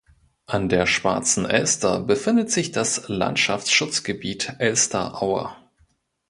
An der Schwarzen Elster befindet sich das Landschaftsschutzgebiet „Elsteraue“.